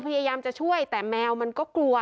พยายามจะช่วยแต่แมวมันก็กลัว